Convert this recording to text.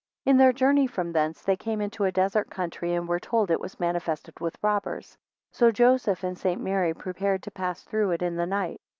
IN their journey from hence they came into a desert country and were told it was infested with robbers; so Joseph and St. Mary prepared to pass through it in the night.